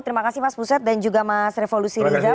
terima kasih mas buset dan juga mas revo lusiriza